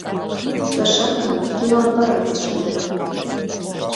— Тышакын киноаппаратым шындена.